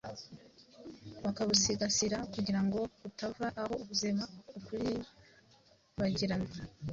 bakabusigasira kugira ngo butava aho buzima bukibagirana.